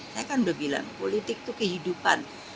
saya kan udah bilang politik itu kehidupan